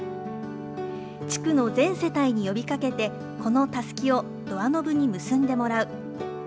地区の全世帯に呼びかけて、このたすきをドアノブに結んでもらう。